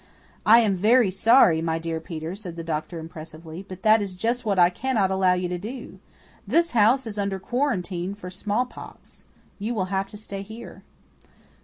"I am very sorry, my dear Peter," said the doctor impressively, "but that is just what I cannot allow you to do. This house is under quarantine for smallpox. You will have to stay here."